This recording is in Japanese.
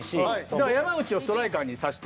だから山内をストライカーにさして。